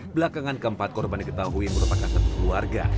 belakangan keempat korban diketahui merupakan satu keluarga